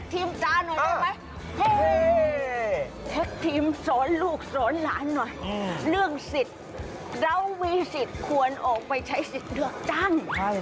เทคทีมจานุได้ไหม